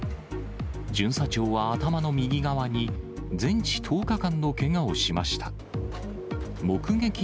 巡査長は頭の右側に全治１０日間のけがをしました。